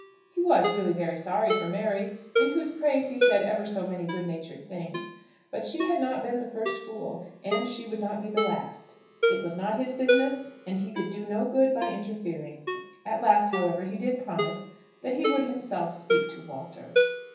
He was really very sorry for Mary, in whose praise he said ever so many good natured things; but she had not been the first fool, and she would not be the last. It was not his business, and he could do no good by interfering. At last, however, he did promise that he would himself speak to Walter.